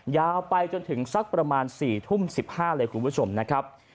ยาวไปจนถึงสักประมาณ๔ทุ่ม๑๕เลยคุณผู้ชมนะครับ